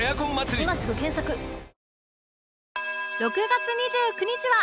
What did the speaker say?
６月２９日は